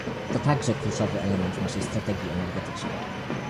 To także kluczowy element naszej strategii energetycznej